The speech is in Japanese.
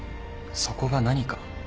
そこが何か？